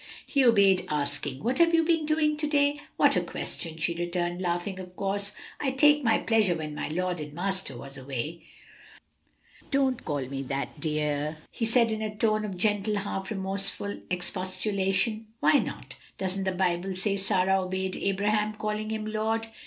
He obeyed, asking, "What have you been doing to day?" "What a question!" she returned, laughing; "of course, I'd take my pleasure when my lord and master was away." "Don't call me that, dear," he said in a tone of gentle, half remorseful expostulation. "Why not? doesn't the Bible say Sarah obeyed Abraham, calling him lord?"